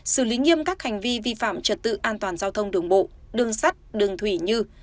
xử lý nghiêm các hành vi vi phạm trật tự an toàn giao thông đường bộ đường sắt đường thủy như